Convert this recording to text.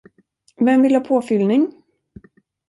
Vem vill ha påfyllning?